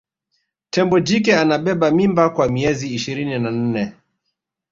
tembo jike anabeba mimba kwa miezi ishirini na nne